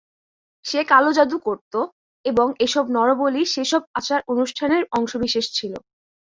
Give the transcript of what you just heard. সে কালো জাদু করত এবং এসব নরবলি সেসব আচার-অনুষ্ঠানের অংশবিশেষ ছিল।